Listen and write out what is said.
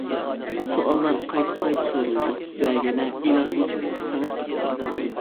سوئاللار قايتا-قايتا سورىلىدۇ ۋە يەنە ئىلاھىي سۈكۈتكە سىڭىپ كېتىدۇ.